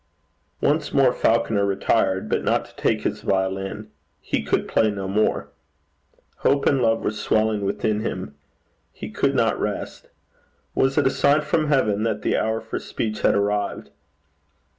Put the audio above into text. Once more Falconer retired, but not to take his violin. He could play no more. Hope and love were swelling within him. He could not rest. Was it a sign from heaven that the hour for speech had arrived?